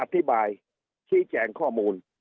อธิบายชี้แจงข้อมูล